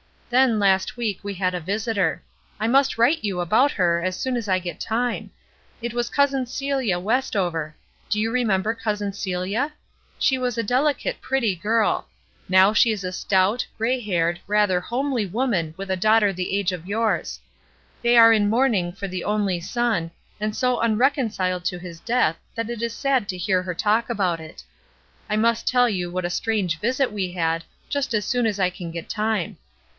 Then, last week we had a visitor. I must write you about her as soon as I get time. It was Cousin Celia West over. Do you remember Cousin Celia? She was a delicate, pretty girl; now she is a stout, gray haired, rather homely woman with a daugh ter the age of yours. They are in mourning for the only son, and so unreconciled to his death that it is sad to hear her talk about it. I must tell you what a strange visit we had, just as soon as I can get time.